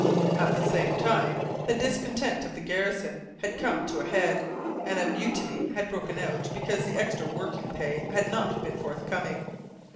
At the same time, the discontent of the garrison had come to a head, and a mutiny had broken out because the extra working pay had not been forthcoming.